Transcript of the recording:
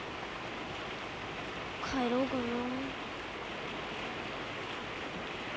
帰ろうかな。